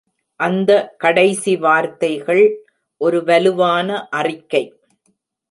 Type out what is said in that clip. அந்த கடைசி வார்த்தைகள் ஒரு வலுவான அறிக்கை.